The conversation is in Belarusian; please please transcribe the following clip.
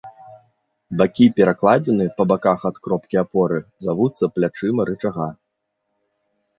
Бакі перакладзіны па баках ад кропкі апоры завуцца плячыма рычага.